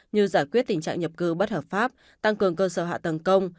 như giải quyết tình trạng nhập cư bất hợp pháp tăng cường cơ sở hạ tầng công